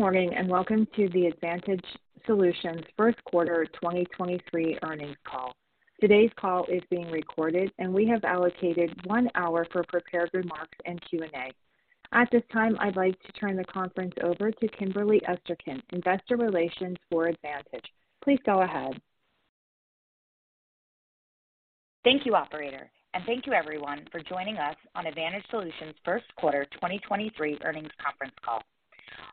Good morning. Welcome to the Advantage Solutions First Quarter 2023 Earnings Call. Today's call is being recorded. We have allocated one hour for prepared remarks and Q&A. At this time, I'd like to turn the conference over to Kimberly Esterkin, Investor Relations for Advantage. Please go ahead. Thank you, operator, thank you everyone for joining us on Advantage Solutions first quarter 2023 earnings conference call.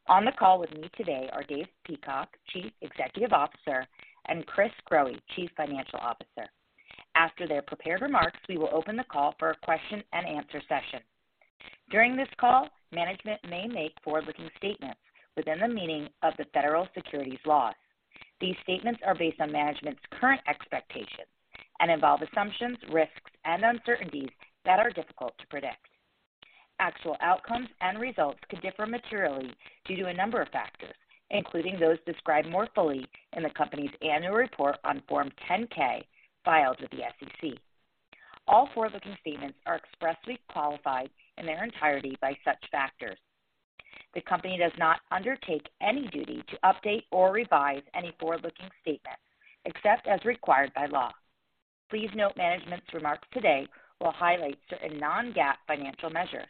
On the call with me today are Dave Peacock, Chief Executive Officer, and Chris Growe, Chief Financial Officer. After their prepared remarks, we will open the call for a question and answer session. During this call, management may make forward-looking statements within the meaning of the federal securities laws. These statements are based on management's current expectations and involve assumptions, risks, and uncertainties that are difficult to predict. Actual outcomes and results could differ materially due to a number of factors, including those described more fully in the company's annual report on Form 10-K filed with the SEC. All forward-looking statements are expressly qualified in their entirety by such factors. The company does not undertake any duty to update or revise any forward-looking statements except as required by law. Please note management's remarks today will highlight certain non-GAAP financial measures.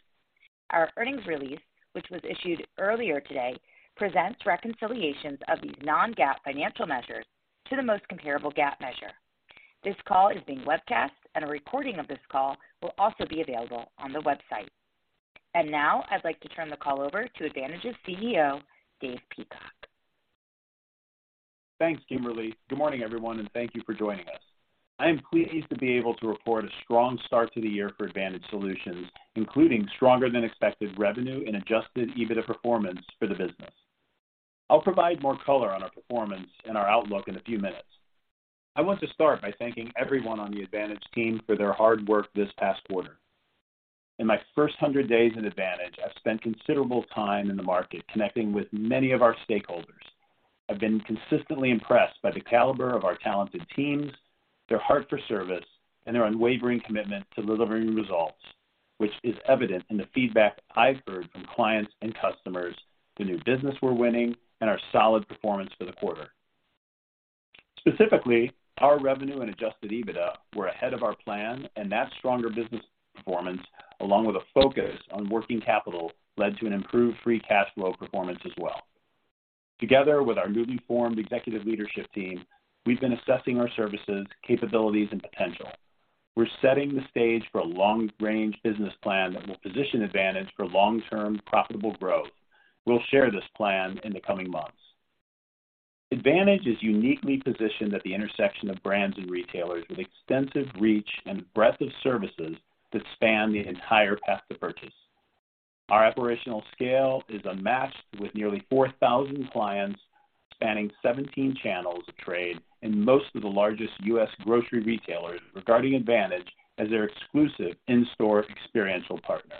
Our earnings release, which was issued earlier today, presents reconciliations of these non-GAAP financial measures to the most comparable GAAP measure. This call is being webcast, and a recording of this call will also be available on the website. Now I'd like to turn the call over to Advantage's CEO, Dave Peacock. Thanks, Kimberly. Good morning, everyone, and thank you for joining us. I am pleased to be able to report a strong start to the year for Advantage Solutions, including stronger than expected revenue and Adjusted EBITDA performance for the business. I'll provide more color on our performance and our outlook in a few minutes. I want to start by thanking everyone on the Advantage team for their hard work this past quarter. In my first 100 days in Advantage, I've spent considerable time in the market connecting with many of our stakeholders. I've been consistently impressed by the caliber of our talented teams, their heart for service, and their unwavering commitment to delivering results, which is evident in the feedback I've heard from clients and customers, the new business we're winning, and our solid performance for the quarter. Specifically, our revenue and Adjusted EBITDA were ahead of our plan, and that stronger business performance, along with a focus on working capital, led to an improved free cash flow performance as well. Together with our newly formed executive leadership team, we've been assessing our services, capabilities, and potential. We're setting the stage for a long-range business plan that will position Advantage for long-term profitable growth. We'll share this plan in the coming months. Advantage is uniquely positioned at the intersection of brands and retailers with extensive reach and breadth of services that span the entire path to purchase. Our operational scale is unmatched with nearly 4,000 clients spanning 17 channels of trade, and most of the largest U.S. grocery retailers regarding Advantage as their exclusive in-store experiential partner.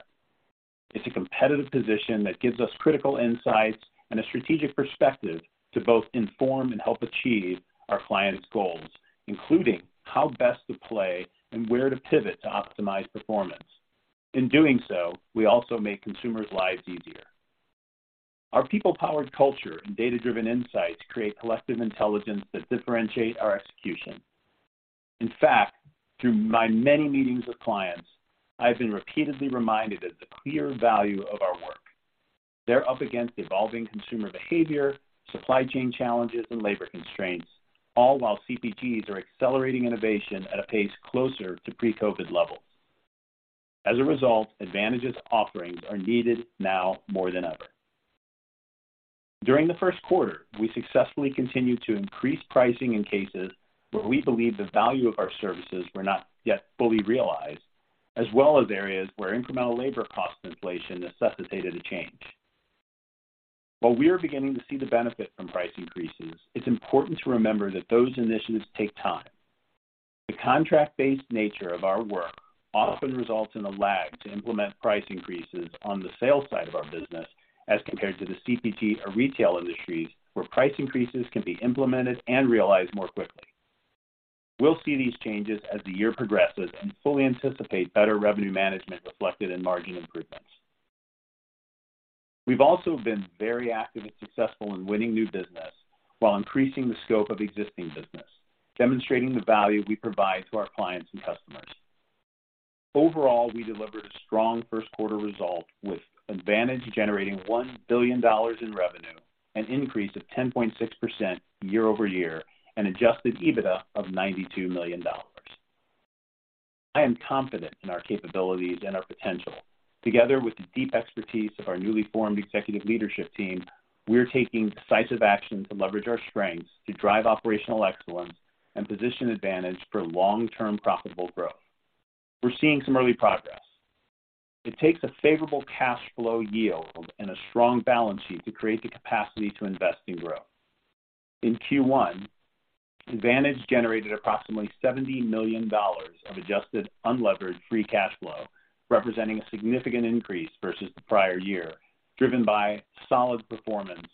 It's a competitive position that gives us critical insights and a strategic perspective to both inform and help achieve our clients' goals, including how best to play and where to pivot to optimize performance. In doing so, we also make consumers' lives easier. Our people-powered culture and data-driven insights create collective intelligence that differentiate our execution. In fact, through my many meetings with clients, I've been repeatedly reminded of the clear value of our work. They're up against evolving consumer behavior, supply chain challenges, and labor constraints, all while CPGs are accelerating innovation at a pace closer to pre-COVID levels. As a result, Advantage's offerings are needed now more than ever. During the first quarter, we successfully continued to increase pricing in cases where we believe the value of our services were not yet fully realized, as well as areas where incremental labor cost inflation necessitated a change. While we are beginning to see the benefit from price increases, it's important to remember that those initiatives take time. The contract-based nature of our work often results in a lag to implement price increases on the sales side of our business as compared to the CPG or retail industries where price increases can be implemented and realized more quickly. We'll see these changes as the year progresses and fully anticipate better revenue management reflected in margin improvements. We've also been very active and successful in winning new business while increasing the scope of existing business, demonstrating the value we provide to our clients and customers. Overall, we delivered a strong first quarter result with Advantage generating $1 billion in revenue, an increase of 10.6% year-over-year, an Adjusted EBITDA of $92 million. I am confident in our capabilities and our potential. Together with the deep expertise of our newly formed executive leadership team, we're taking decisive action to leverage our strengths to drive operational excellence and position Advantage for long-term profitable growth. We're seeing some early progress. It takes a favorable cash flow yield and a strong balance sheet to create the capacity to invest in growth. In Q1, Advantage generated approximately $70 million of Adjusted Unlevered Free Cash Flow, representing a significant increase versus the prior year, driven by solid performance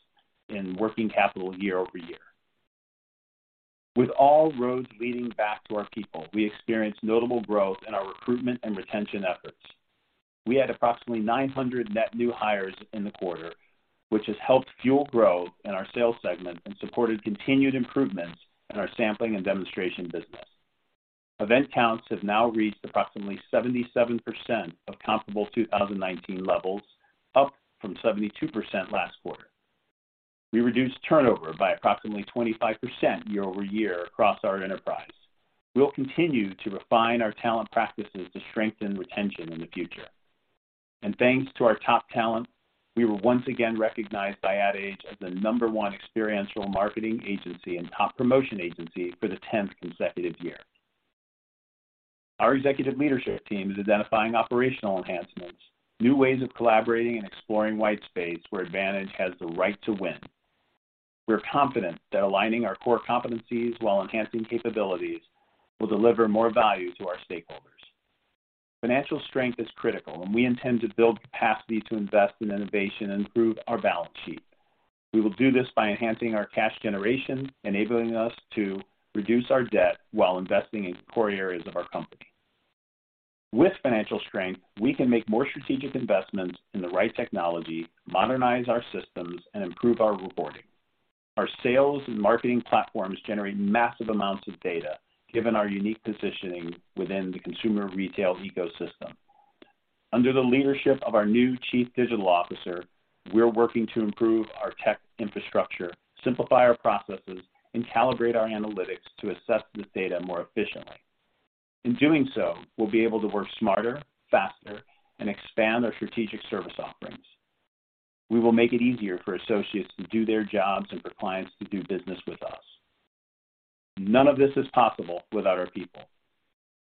in working capital year-over-year. With all roads leading back to our people, we experienced notable growth in our recruitment and retention efforts. We had approximately 900 net new hires in the quarter, which has helped fuel growth in our sales segment and supported continued improvements in our sampling and demonstration business. Event counts have now reached approximately 77% of comparable 2019 levels, up from 72% last quarter. We reduced turnover by approximately 25% year-over-year across our enterprise. We'll continue to refine our talent practices to strengthen retention in the future. Thanks to our top talent, we were once again recognized by Ad Age as the number 1 experiential marketing agency and top promotion agency for the 10th consecutive year. Our executive leadership team is identifying operational enhancements, new ways of collaborating and exploring white space where Advantage has the right to win. We're confident that aligning our core competencies while enhancing capabilities will deliver more value to our stakeholders. Financial strength is critical. We intend to build capacity to invest in innovation and improve our balance sheet. We will do this by enhancing our cash generation, enabling us to reduce our debt while investing in core areas of our company. With financial strength, we can make more strategic investments in the right technology, modernize our systems, and improve our reporting. Our sales and marketing platforms generate massive amounts of data given our unique positioning within the consumer retail ecosystem. Under the leadership of our new Chief Digital Officer, we're working to improve our tech infrastructure, simplify our processes, and calibrate our analytics to assess this data more efficiently. In doing so, we'll be able to work smarter, faster, and expand our strategic service offerings. We will make it easier for associates to do their jobs and for clients to do business with us. None of this is possible without our people.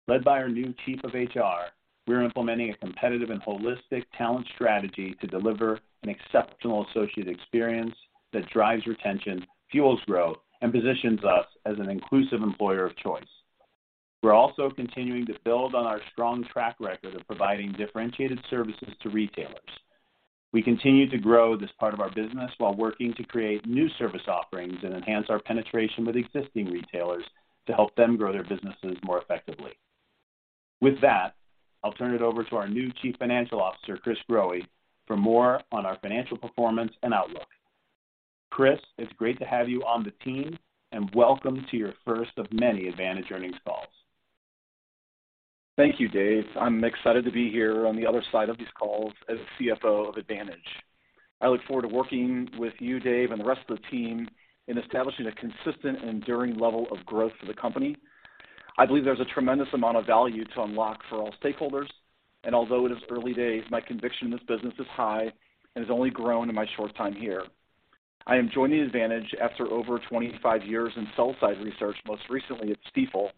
Led by our new chief of HR, we're implementing a competitive and holistic talent strategy to deliver an exceptional associate experience that drives retention, fuels growth, and positions us as an inclusive employer of choice. We're also continuing to build on our strong track record of providing differentiated services to retailers. We continue to grow this part of our business while working to create new service offerings and enhance our penetration with existing retailers to help them grow their businesses more effectively. With that, I'll turn it over to our new Chief Financial Officer, Chris Growe, for more on our financial performance and outlook. Chris, it's great to have you on the team, and welcome to your first of many Advantage earnings calls. Thank you, Dave. I'm excited to be here on the other side of these calls as the CFO of Advantage. I look forward to working with you, Dave, and the rest of the team in establishing a consistent and enduring level of growth for the company. I believe there's a tremendous amount of value to unlock for all stakeholders, and although it is early days, my conviction in this business is high and has only grown in my short time here. I am joining Advantage after over 25 years in sell-side research, most recently at Stifel,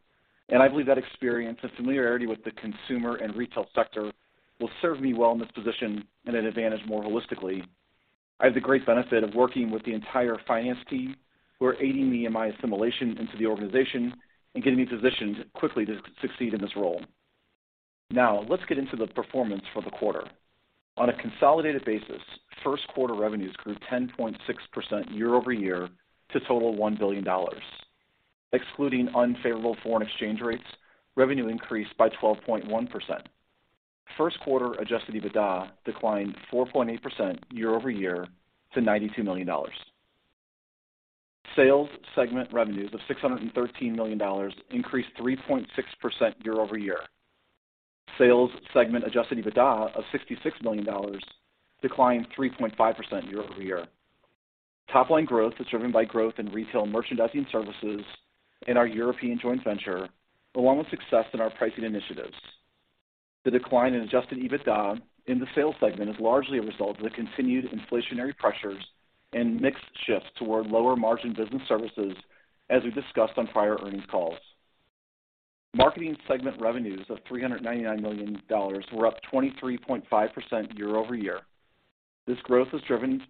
and I believe that experience and familiarity with the consumer and retail sector will serve me well in this position and at Advantage more holistically. I have the great benefit of working with the entire finance team who are aiding me in my assimilation into the organization and getting me positioned quickly to succeed in this role. Let's get into the performance for the quarter. On a consolidated basis, first quarter revenues grew 10.6% year-over-year to total $1 billion. Excluding unfavorable foreign exchange rates, revenue increased by 12.1%. First quarter Adjusted EBITDA declined 4.8% year-over-year to $92 million. Sales segment revenues of $613 million increased 3.6% year-over-year. Sales segment Adjusted EBITDA of $66 million declined 3.5% year-over-year. Top line growth is driven by growth in retail merchandising services in our European joint venture, along with success in our pricing initiatives. The decline in Adjusted EBITDA in the sales segment is largely a result of the continued inflationary pressures and mix shifts toward lower margin business services as we discussed on prior earnings calls. Marketing segment revenues of $399 million were up 23.5% year-over-year. This growth was driven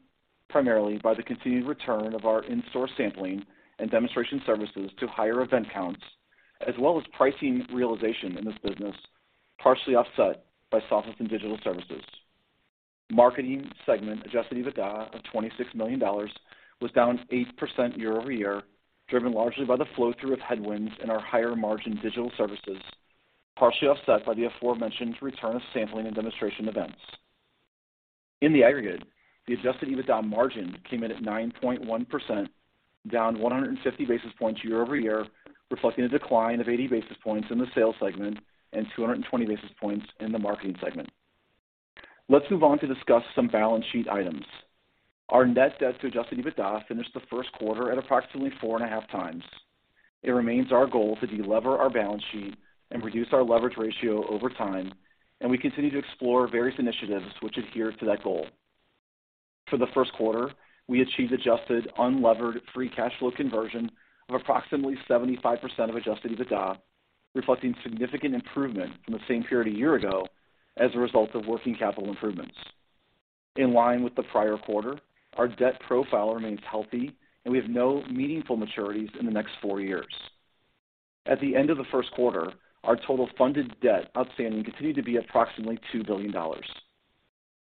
primarily by the continued return of our in-store sampling and demonstration services to higher event counts, as well as pricing realization in this business, partially offset by softness in digital services. Marketing segment Adjusted EBITDA of $26 million was down 8% year-over-year, driven largely by the flow-through of headwinds in our higher margin digital services, partially offset by the aforementioned return of sampling and demonstration events. In the aggregate, the Adjusted EBITDA margin came in at 9.1%, down 150 basis points year-over-year, reflecting a decline of 80 basis points in the sales segment and 220 basis points in the marketing segment. Let's move on to discuss some balance sheet items. Our Net Debt to Adjusted EBITDA finished the first quarter at approximately 4.5 times. It remains our goal to de-lever our balance sheet and reduce our leverage ratio over time. We continue to explore various initiatives which adhere to that goal. For the first quarter, we achieved Adjusted Unlevered Free Cash Flow conversion of approximately 75% of Adjusted EBITDA, reflecting significant improvement from the same period a year ago as a result of working capital improvements. In line with the prior quarter, our debt profile remains healthy, and we have no meaningful maturities in the next 4 years. At the end of the 1st quarter, our total funded debt outstanding continued to be approximately $2 billion.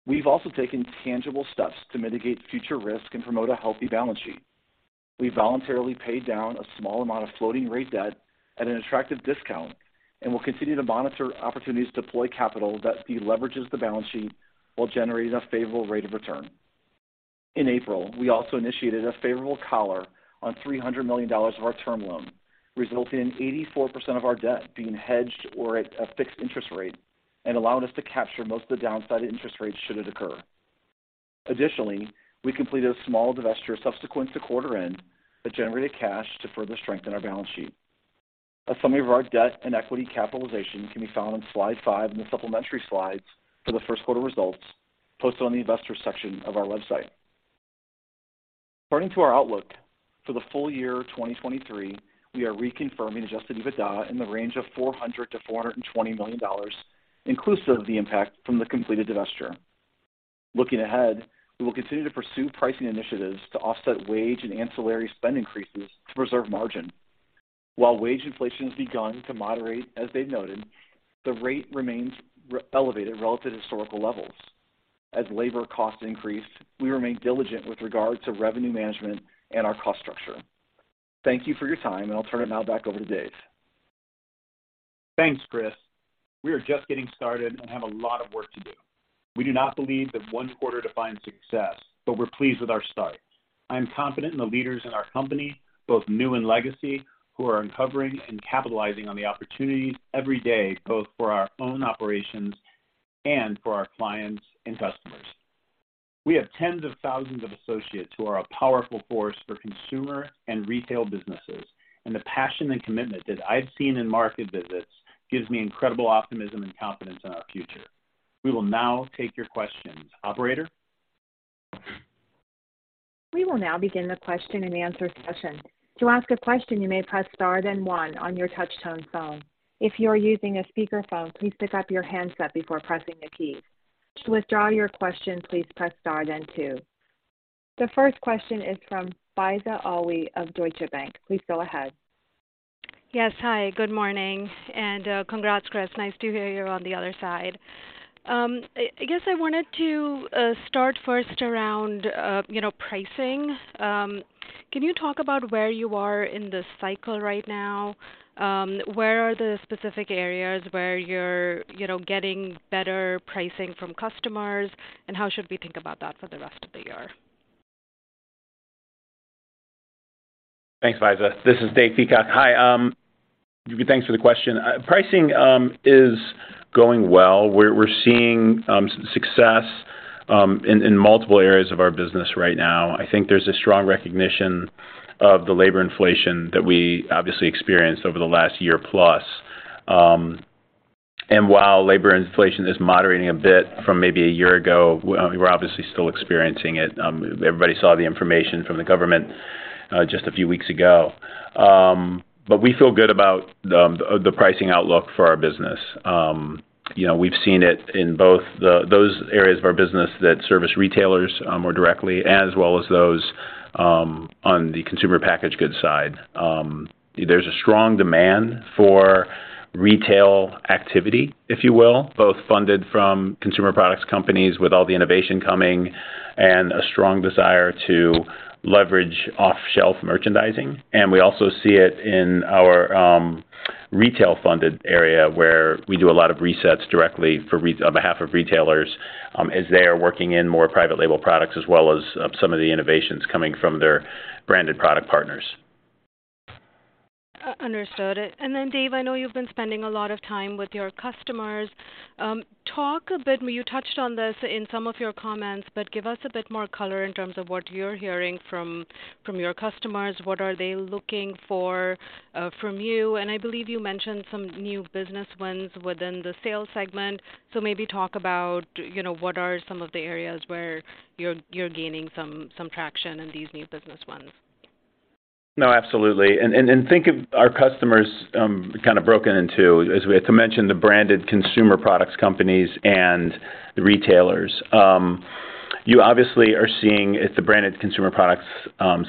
We've also taken tangible steps to mitigate future risk and promote a healthy balance sheet. We voluntarily paid down a small amount of floating rate debt at an attractive discount, and we'll continue to monitor opportunities to deploy capital that de-leverages the balance sheet while generating a favorable rate of return. In April, we also initiated a favorable collar on $300 million of our term loan, resulting in 84% of our debt being hedged or at a fixed interest rate and allowed us to capture most of the downside interest rates should it occur. Additionally, we completed a small divestiture subsequent to quarter end that generated cash to further strengthen our balance sheet. A summary of our debt and equity capitalization can be found on slide 5 in the supplementary slides for the first quarter results posted on the investor section of our website. Turning to our outlook for the full year 2023, we are reconfirming Adjusted EBITDA in the range of $400 million-$420 million, inclusive of the impact from the completed divestiture. Looking ahead, we will continue to pursue pricing initiatives to offset wage and ancillary spend increases to preserve margin. While wage inflation has begun to moderate, as Dave noted, the rate remains elevated relative to historical levels. As labor costs increase, we remain diligent with regard to revenue management and our cost structure. Thank you for your time, and I'll turn it now back over to Dave. Thanks, Chris. We are just getting started and have a lot of work to do. We do not believe that one quarter defines success, but we're pleased with our start. I am confident in the leaders in our company, both new and legacy, who are uncovering and capitalizing on the opportunities every day, both for our own operations and for our clients and customers. We have tens of thousands of associates who are a powerful force for consumer and retail businesses, and the passion and commitment that I've seen in market visits gives me incredible optimism and confidence in our future. We will now take your questions. Operator? We will now begin the question and answer session. To ask a question, you may press star then one on your touch-tone phone. If you're using a speakerphone, please pick up your handset before pressing the key. To withdraw your question, please press star then two. The first question is from Faiza Alwy of Deutsche Bank. Please go ahead. Yes. Hi, good morning. Congrats, Chris, nice to hear you're on the other side. I guess I wanted to start first around, you know, pricing. Can you talk about where you are in the cycle right now? Where are the specific areas where you're, you know, getting better pricing from customers, and how should we think about that for the rest of the year? Thanks, Faiza. This is Dave Peacock. Hi, thanks for the question. Pricing is going well. We're seeing success in multiple areas of our business right now. I think there's a strong recognition of the labor inflation that we obviously experienced over the last year plus. While labor inflation is moderating a bit from maybe a year ago, we're obviously still experiencing it. Everybody saw the information from the government just a few weeks ago. We feel good about the pricing outlook for our business. You know, we've seen it in both those areas of our business that service retailers more directly as well as those on the consumer package goods side. There's a strong demand for retail activity, if you will, both funded from consumer products companies with all the innovation coming and a strong desire to leverage off-shelf merchandising. We also see it in our retail funded area where we do a lot of resets directly on behalf of retailers, as they are working in more private label products as well as some of the innovations coming from their branded product partners. Understood. Then Dave, I know you've been spending a lot of time with your customers. Talk a bit, you touched on this in some of your comments, but give us a bit more color in terms of what you're hearing from your customers. What are they looking for from you? I believe you mentioned some new business wins within the sales segment. Maybe talk about, you know, what are some of the areas where you're gaining some traction in these new business wins. No, absolutely. Think of our customers, kind of broken into, as we like to mention, the branded consumer products companies and the retailers. You obviously are seeing at the branded consumer products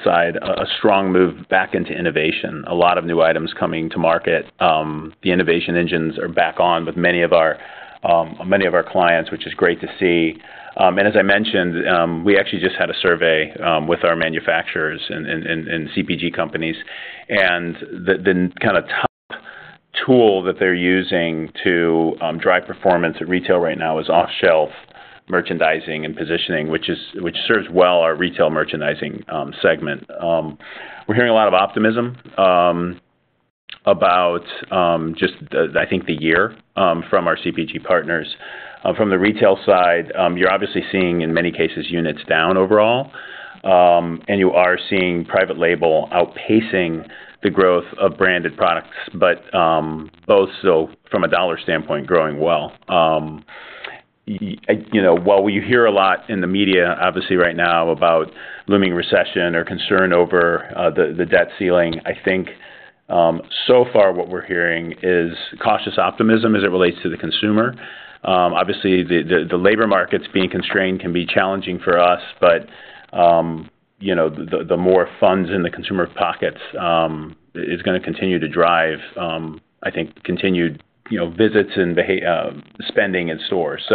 side a strong move back into innovation, a lot of new items coming to market. The innovation engines are back on with many of our clients, which is great to see. As I mentioned, we actually just had a survey with our manufacturers and CPG companies, and the kind of top tool that they're using to drive performance at retail right now is off-shelf merchandising and positioning, which serves well our retail merchandising segment. We're hearing a lot of optimism about just the year from our CPG partners. From the retail side, you're obviously seeing, in many cases, units down overall, you are seeing private label outpacing the growth of branded products, both still from a dollar standpoint growing well. You know, while we hear a lot in the media obviously right now about looming recession or concern over the debt ceiling, I think so far what we're hearing is cautious optimism as it relates to the consumer. Obviously the labor markets being constrained can be challenging for us, but, you know, the more funds in the consumer pockets is gonna continue to drive, I think, continued, you know, visits and spending in stores.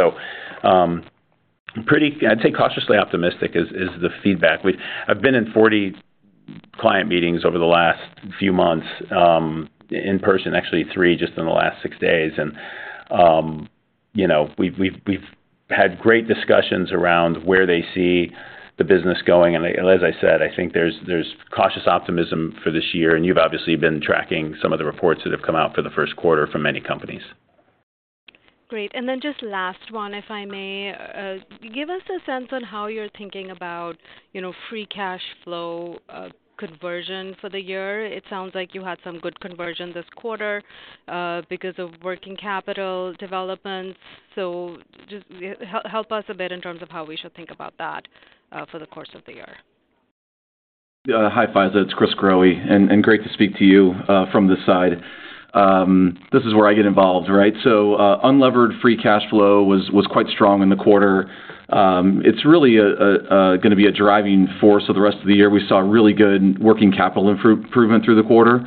Pretty, I'd say cautiously optimistic is the feedback. I've been in 40 client meetings over the last few months, in person, actually three just in the last six days. You know, we've had great discussions around where they see the business going. As I said, I think there's cautious optimism for this year, You've obviously been tracking some of the reports that have come out for the first quarter from many companies. Great. Just last one, if I may. Give us a sense on how you're thinking about, you know, free cash flow conversion for the year. It sounds like you had some good conversion this quarter because of working capital developments. Just help us a bit in terms of how we should think about that for the course of the year. Yeah. Hi, Faiza. It's Chris Growe, and great to speak to you from this side. This is where I get involved, right? Unlevered free cash flow was quite strong in the quarter. It's really gonna be a driving force for the rest of the year. We saw really good working capital improvement through the quarter.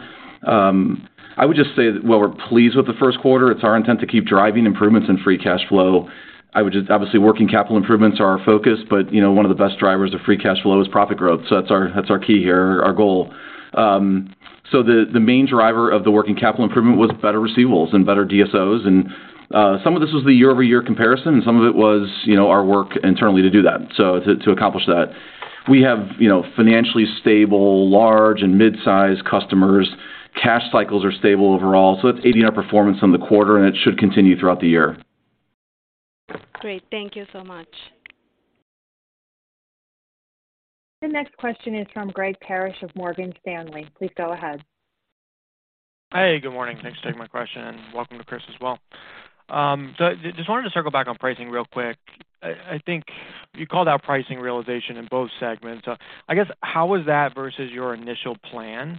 I would just say that while we're pleased with the first quarter, it's our intent to keep driving improvements in free cash flow. Obviously, working capital improvements are our focus, but, you know, one of the best drivers of free cash flow is profit growth. That's our key here, our goal. The main driver of the working capital improvement was better receivables and better DSOs. Some of this was the year-over-year comparison, and some of it was, you know, our work internally to do that. To accomplish that. We have, you know, financially stable, large and mid-size customers. Cash cycles are stable overall, so it's aiding our performance on the quarter, and it should continue throughout the year. Great. Thank you so much. The next question is from Greg Parrish of Morgan Stanley. Please go ahead. Hi. Good morning. Thanks for taking my question, welcome to Chris as well. Just wanted to circle back on pricing real quick. I think you called out pricing realization in both segments. I guess how was that versus your initial plan?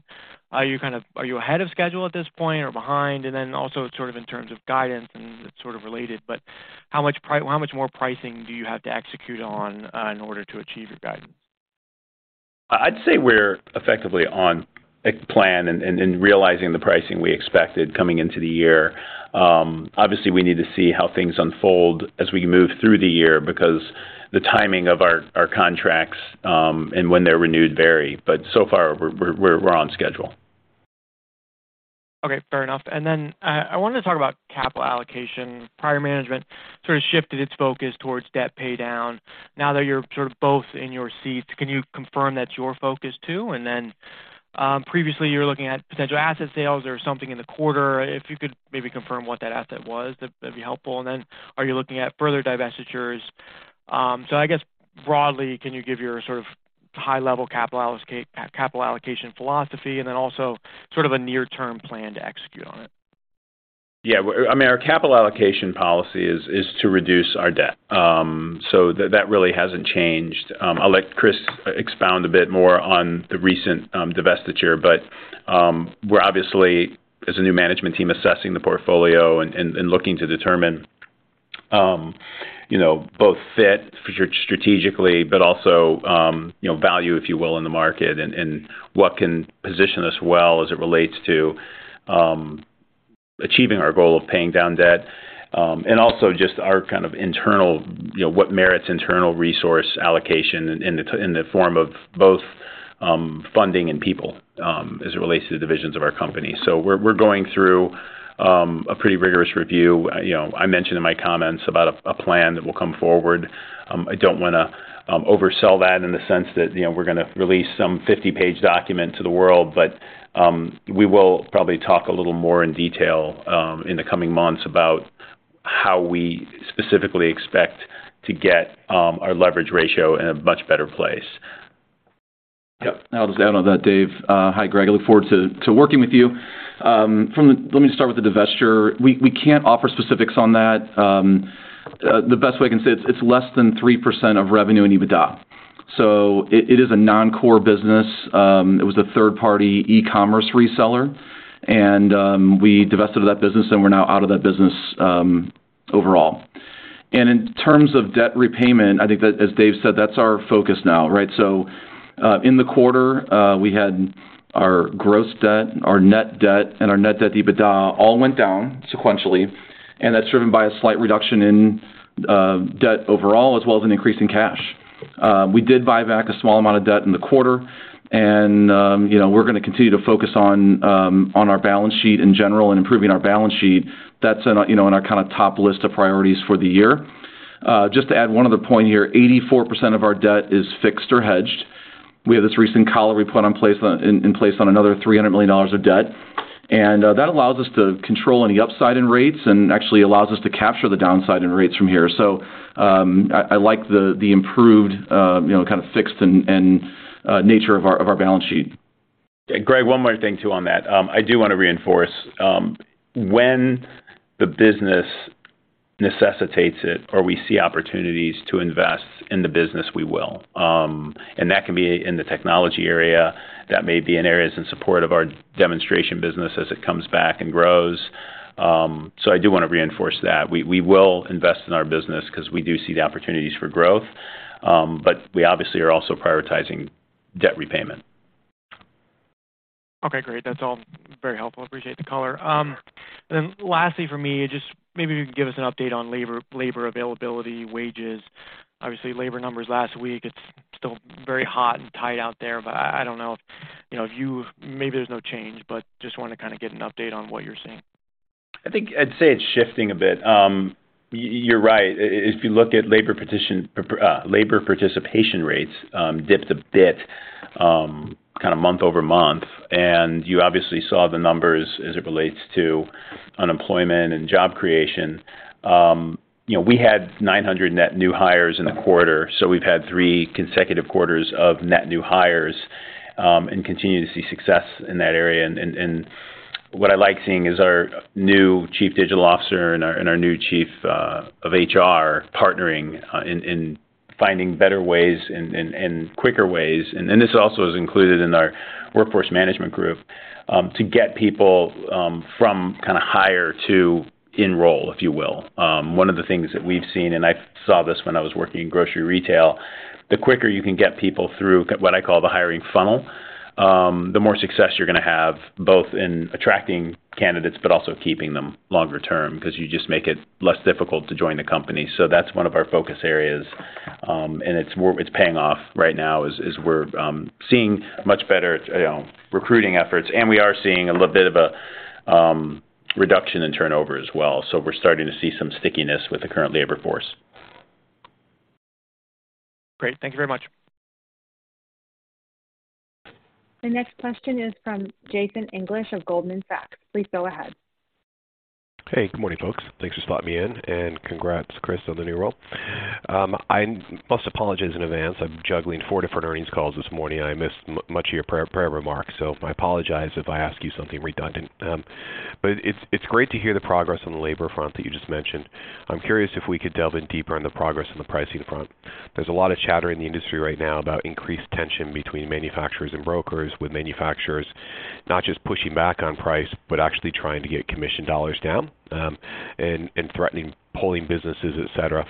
Are you ahead of schedule at this point or behind? Also sort of in terms of guidance, and it's sort of related, but how much more pricing do you have to execute on in order to achieve your guidance? I'd say we're effectively on plan and realizing the pricing we expected coming into the year. Obviously, we need to see how things unfold as we move through the year because the timing of our contracts and when they're renewed vary. So far, we're on schedule. Fair enough. Then, I wanted to talk about capital allocation. Prior management sort of shifted its focus towards debt paydown. Now that you're sort of both in your seats, can you confirm that's your focus too? Then, previously, you were looking at potential asset sales or something in the quarter. If you could maybe confirm what that asset was, that'd be helpful. Then, are you looking at further divestitures? I guess broadly, can you give your sort of high-level capital allocation philosophy and then also sort of a near-term plan to execute on it? Yeah. I mean, our capital allocation policy is to reduce our debt. That really hasn't changed. I'll let Chris expound a bit more on the recent divestiture, but we're obviously, as a new management team, assessing the portfolio and looking to determine, you know, both fit strategically but also, you know, value, if you will, in the market and what can position us well as it relates to achieving our goal of paying down debt, and also just our kind of internal, you know, what merits internal resource allocation in the form of both funding and people as it relates to the divisions of our company. We're going through a pretty rigorous review. You know, I mentioned in my comments about a plan that will come forward. I don't wanna oversell that in the sense that, you know, we're gonna release some 50-page document to the world, but we will probably talk a little more in detail in the coming months about how we specifically expect to get our leverage ratio in a much better place. Yeah. I'll just add on that, Dave. Hi, Greg. I look forward to working with you. Let me start with the divesture. We can't offer specifics on that. The best way I can say it's less than 3% of revenue and EBITDA. It is a non-core business. It was a third-party e-commerce reseller, and we divested that business, and we're now out of that business overall. In terms of debt repayment, I think that, as Dave said, that's our focus now, right? In the quarter, we had our gross debt, our net debt, and our Net Debt EBITDA all went down sequentially, and that's driven by a slight reduction in debt overall as well as an increase in cash. We did buy back a small amount of debt in the quarter, and, you know, we're gonna continue to focus on our balance sheet in general and improving our balance sheet. That's in our, you know, in our kinda top list of priorities for the year. Just to add one other point here, 84% of our debt is fixed or hedged. We have this recent collar we put in place on another $300 million of debt, and that allows us to control any upside in rates and actually allows us to capture the downside in rates from here. I like the improved, you know, kind of fixed and nature of our balance sheet. Greg, one more thing too on that. I do wanna reinforce, when the business necessitates it or we see opportunities to invest in the business, we will. That can be in the technology area. That may be in areas in support of our demonstration business as it comes back and grows. I do wanna reinforce that. We will invest in our business 'cause we do see the opportunities for growth, we obviously are also prioritizing debt repayment. Okay, great. That's all very helpful. Appreciate the color. Lastly for me, just maybe you can give us an update on labor availability, wages. Obviously, labor numbers last week, it's still very hot and tight out there, but I don't know, you know, maybe there's no change, but just wanna kinda get an update on what you're seeing. I think I'd say it's shifting a bit. You're right. If you look at labor petition, labor participation rates, dipped a bit, kinda month-over-month, and you obviously saw the numbers as it relates to unemployment and job creation. You know, we had 900 net new hires in the quarter, so we've had 3 consecutive quarters of net new hires, and continue to see success in that area. What I like seeing is our new Chief Digital Officer and our new Chief of HR partnering in finding better ways and quicker ways, and then this also is included in our workforce management group, to get people, from kinda hire to enroll, if you will. One of the things that we've seen, and I saw this when I was working in grocery retail, the quicker you can get people through what I call the hiring funnel, the more success you're gonna have both in attracting candidates but also keeping them longer term 'cause you just make it less difficult to join the company. That's one of our focus areas, and it's paying off right now as we're seeing much better, you know, recruiting efforts, and we are seeing a little bit of a reduction in turnover as well. We're starting to see some stickiness with the current labor force. Great. Thank you very much. The next question is from Jason English of Goldman Sachs. Please go ahead. Hey, good morning, folks. Thanks for spotting me in. Congrats, Chris, on the new role. I must apologize in advance. I'm juggling 4 different earnings calls this morning. I missed much of your remarks, so I apologize if I ask you something redundant. It's great to hear the progress on the labor front that you just mentioned. I'm curious if we could delve in deeper on the progress on the pricing front. There's a lot of chatter in the industry right now about increased tension between manufacturers and brokers, with manufacturers not just pushing back on price, but actually trying to get commission dollars down, and threatening pulling businesses, et cetera.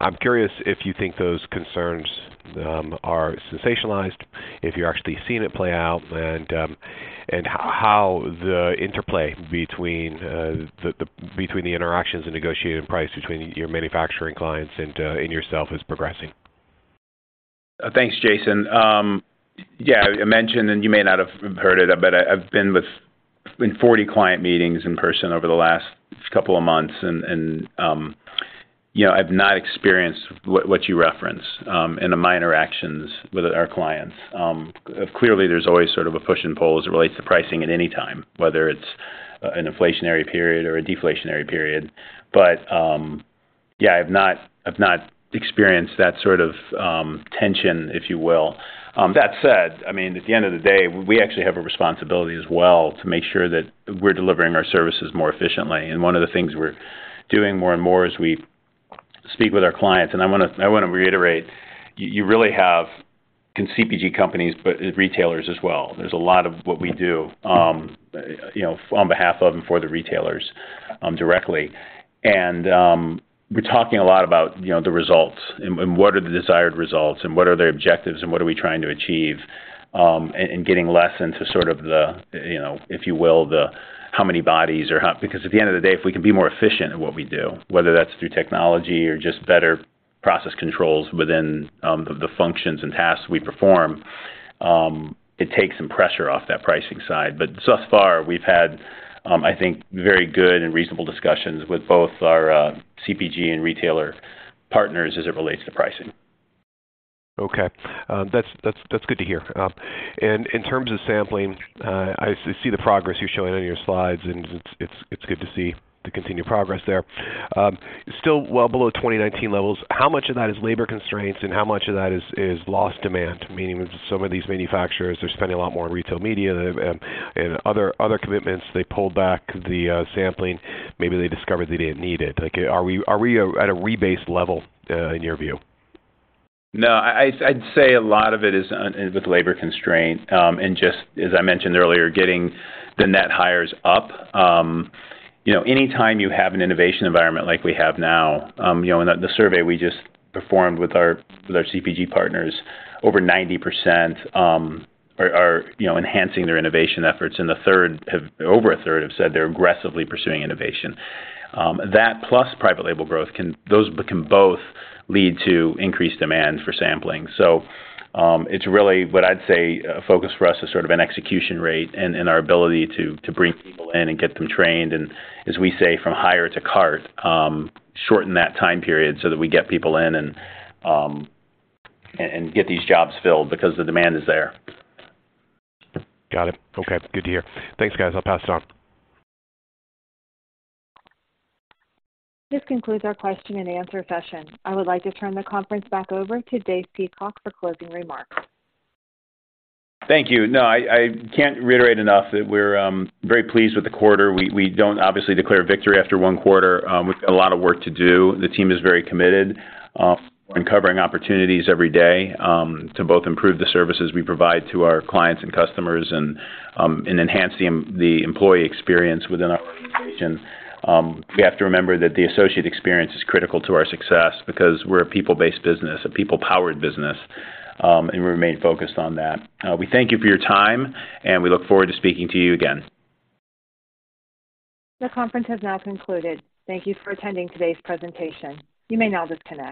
I'm curious if you think those concerns are sensationalized, if you're actually seeing it play out, and how the interplay between the interactions and negotiating price between your manufacturing clients and yourself is progressing? Thanks, Jason. Yeah, I mentioned, and you may not have heard it, but I've been with in 40 client meetings in person over the last couple of months, and you know, I've not experienced what you reference in the minor actions with our clients. Clearly there's always sort of a push and pull as it relates to pricing at any time, whether it's an inflationary period or a deflationary period. Yeah, I've not experienced that sort of tension, if you will. That said, I mean, at the end of the day, we actually have a responsibility as well to make sure that we're delivering our services more efficiently, and one of the things we're doing more and more is we speak with our clients. I wanna reiterate, you really have CPG companies, but retailers as well. There's a lot of what we do, you know, on behalf of and for the retailers, directly. We're talking a lot about, you know, the results and what are the desired results and what are their objectives and what are we trying to achieve, and getting less into sort of the, you know, if you will, the how many bodies or how... At the end of the day, if we can be more efficient at what we do, whether that's through technology or just better process controls within the functions and tasks we perform, it takes some pressure off that pricing side. Thus far, we've had, I think very good and reasonable discussions with both our CPG and retailer partners as it relates to pricing. Okay. That's good to hear. In terms of sampling, I see the progress you're showing on your slides, and it's good to see the continued progress there. Still well below 2019 levels. How much of that is labor constraints, and how much of that is lost demand, meaning some of these manufacturers are spending a lot more on retail media and other commitments, they pull back the sampling, maybe they discovered they didn't need it. Are we at a rebase level in your view? No, I'd say a lot of it is with labor constraint, and just, as I mentioned earlier, getting the net hires up. You know, anytime you have an innovation environment like we have now, you know, in the survey we just performed with our CPG partners, over 90% are, you know, enhancing their innovation efforts, and over a third have said they're aggressively pursuing innovation. That plus private label growth those can both lead to increased demand for sampling. It's really what I'd say a focus for us is sort of an execution rate and our ability to bring people in and get them trained, and as we say, from hire to cart, shorten that time period so that we get people in and get these jobs filled because the demand is there. Got it. Okay. Good to hear. Thanks, guys. I'll pass it on. This concludes our question and answer session. I would like to turn the conference back over to Dave Peacock for closing remarks. Thank you. No, I can't reiterate enough that we're very pleased with the quarter. We don't obviously declare victory after one quarter. We've got a lot of work to do. The team is very committed on covering opportunities every day to both improve the services we provide to our clients and customers and enhance the employee experience within our organization. We have to remember that the associate experience is critical to our success because we're a people-based business, a people-powered business, and we remain focused on that. We thank you for your time, and we look forward to speaking to you again. The conference has now concluded. Thank you for attending today's presentation. You may now disconnect.